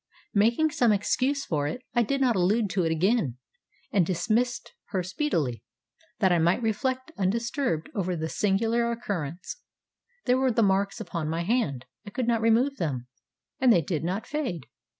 Making some excuse for it, I did not allude to it again, and dismissed her speedily, that I might reflect undisturbed over the singular occurrence. There were the marks upon my hand; I could not remove them, and they did not fade.